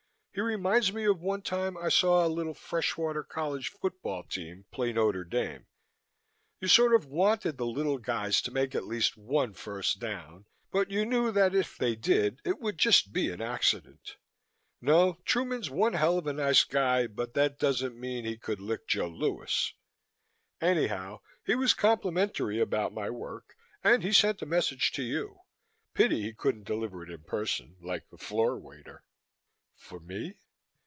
"He reminds me of one time I saw a little fresh water college football team play Notre Dame. You sort of wanted the little guys to make at least one first down, but you knew that if they did, it would just be an accident. No, Truman's one hell of a nice guy but that doesn't mean he could lick Joe Louis. Anyhow, he was complimentary about my work and he sent a message to you. Pity he couldn't deliver it in person, like the floor waiter." "For me?"